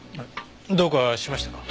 どうかしましたか？